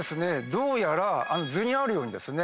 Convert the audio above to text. どうやら図にあるようにですね